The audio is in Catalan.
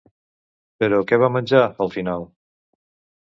Però què va menjar, al final?